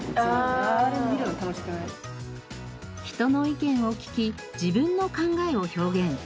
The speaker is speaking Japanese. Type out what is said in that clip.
人の意見を聞き自分の考えを表現。